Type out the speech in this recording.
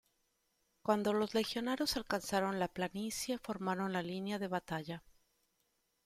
Cuando los legionarios alcanzaron la planicie formaron en línea de batalla.